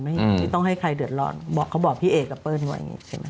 ไม่ต้องให้ใครเดือดร้อนบอกเขาบอกพี่เอกับเปิ้ลไว้อย่างนี้ใช่ไหม